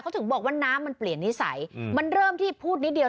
เขาถึงบอกว่าน้ำมันเปลี่ยนนิสัยมันเริ่มที่พูดนิดเดียว